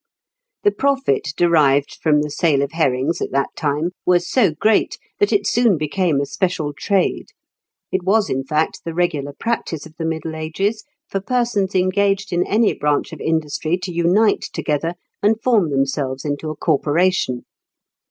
] The profit derived from the sale of herrings at that time was so great that it soon became a special trade; it was, in fact, the regular practice of the Middle Ages for persons engaged in any branch of industry to unite together and form themselves into a corporation.